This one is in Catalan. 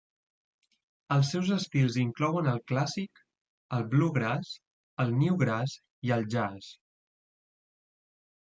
Els seus estils inclouen el clàssic, el bluegrass, el newgrass i el jazz.